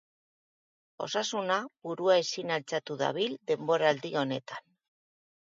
Osasuna burua ezin altxatu dabil denboraldi honetan.